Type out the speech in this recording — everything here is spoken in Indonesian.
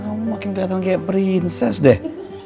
kamu makin kelihatan kayak princess deh